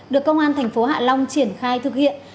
được công an thành phố hạ long triển khai thực hiện